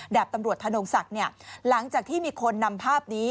ดาบตำรวจธนงศักดิ์หลังจากที่มีคนนำภาพนี้